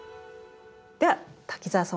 では滝沢さん